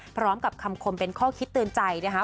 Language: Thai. พร้อมกับคำคมเป็นข้อคิดเตือนใจนะคะ